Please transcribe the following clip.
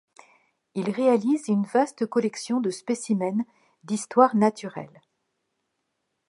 Il réalise une vaste collection de spécimens d’histoire naturelle.